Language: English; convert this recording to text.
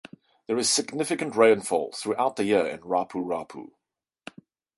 There is significant rainfall throughout the year in Rapu-Rapu.